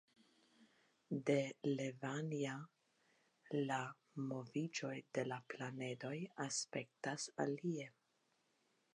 De Levania la moviĝoj de la planedoj aspektas alie.